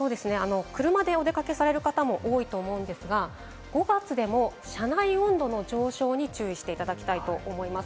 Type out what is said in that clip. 車でお出かけする方も多いと思うんですが、５月でも車内温度の上昇に注意していただきたいと思います。